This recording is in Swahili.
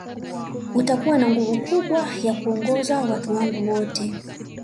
Utakuwa na nguvu kubwa ya kuongoza watu wangu wote